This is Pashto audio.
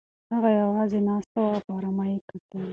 هغه یوازې ناسته وه او په ارامۍ یې کتل.